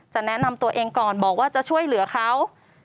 แนะนำตัวเองก่อนบอกว่าจะช่วยเหลือเขา